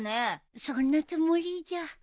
そんなつもりじゃ。